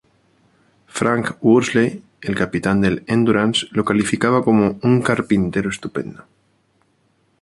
Frank Worsley, el capitán del "Endurance", lo calificaba como "un carpintero estupendo".